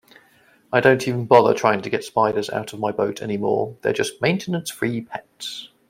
I don't even bother trying to get spiders out of my boat anymore, they're just maintenance-free pets.